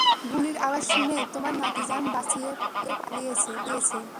গুলির আওয়াজ শুনেই তোমার নাতি জান বাঁচিয়ে পালিয়েছে।